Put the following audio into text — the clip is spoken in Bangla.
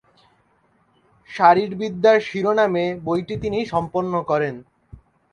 শারীরবিদ্যা শিরোনামে বইটি তিনি সম্পন্ন করেন।